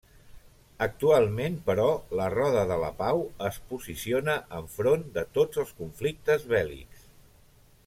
Actualment, però, la Roda de la Pau es posiciona enfront de tots els conflictes bèl·lics.